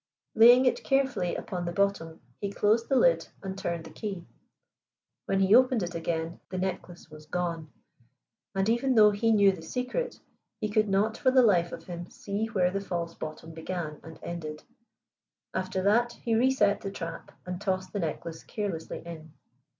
Laying it carefully upon the bottom he closed the lid and turned the key. When he opened it again the necklace was gone, and even though he knew the secret he could not for the life of him see where the false bottom began and ended. After that he reset the trap and tossed the necklace carelessly in.